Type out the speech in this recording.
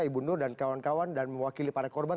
ibu nur dan kawan kawan dan mewakili para korban